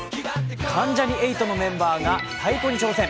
関ジャニ∞のメンバーが太鼓に挑戦。